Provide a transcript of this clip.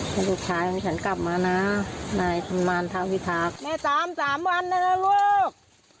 ให้ลูกชายของฉันกลับมาน่ะนายทรมานทาวิทักษ์แม่ตามสามวันน่ะลูก